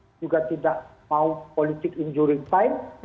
kita juga tidak mau politik injuring time